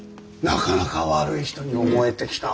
なかなか悪い人に思えてきた。